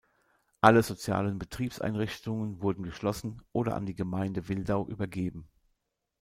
Alle sozialen Betriebseinrichtungen wurden geschlossen oder an die Gemeinde Wildau übergeben.